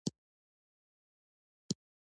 د هېپتاليانو مرکز د هندوکش شمالي لمنو کې کې وو